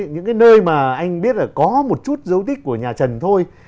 những cái nơi mà anh biết là có một chút dấu tích của nhà trần thôi